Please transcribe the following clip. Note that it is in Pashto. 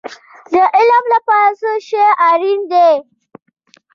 د علم لپاره څه شی اړین دی؟